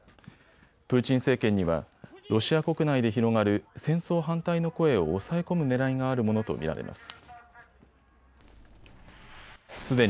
プーチン政権にはロシア国内で広がる戦争反対の声を押さえ込むねらいがあるものと見られます。